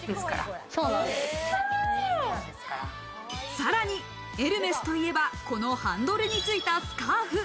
さらにエルメスといえば、このハンドルについたスカーフ。